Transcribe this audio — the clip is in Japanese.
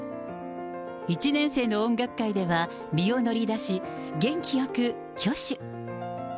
１年生の音楽会では、身を乗り出し、元気よく挙手。